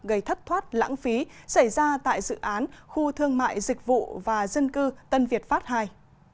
gây thất thoát lãng phí xảy ra tại dự án khu thương mại dịch vụ và dân cư tân việt pháp ii